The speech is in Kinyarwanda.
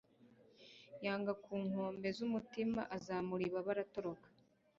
Yanga ku nkombe zumutima azamura ibaba aratoroka